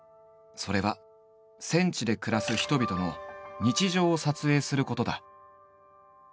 それは戦地で暮らす人々の「日常」を撮影することだ。